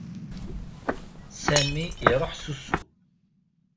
Sami iruḥ s usu.